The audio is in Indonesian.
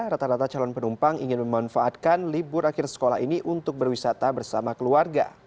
rata rata calon penumpang ingin memanfaatkan libur akhir sekolah ini untuk berwisata bersama keluarga